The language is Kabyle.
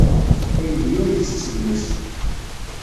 Aydi ur ittett gma-s.